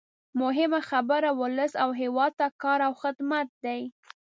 مهمه خبره ولس او هېواد ته کار او خدمت دی.